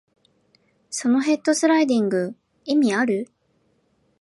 そのヘッドスライディング、意味ある？